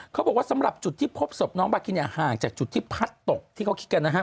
เขาบอกว่าสำหรับจุดที่พบศพน้องบัคคินห่างจากจุดที่พัดตกที่เขาคิดกัน